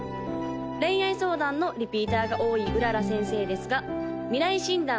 恋愛相談のリピーターが多い麗先生ですが未来診断